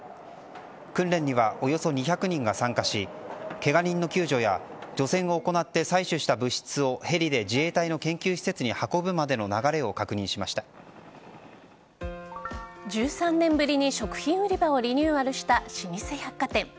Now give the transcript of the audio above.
訓練にはおよそ２００人が参加しケガ人の救助や除染を行って採取した物質をヘリで自衛隊の研究施設に１３年ぶりに食品売り場をリニューアルした老舗百貨店。